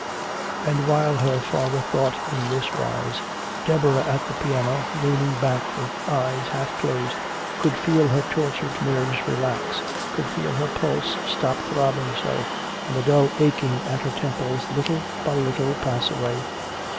And while her father thought in this wise, Deborah at the piano, leaning back with eyes half closed, could feel her tortured nerves relax, could feel her pulse stop throbbing so and the dull aching at her temples little by little pass away.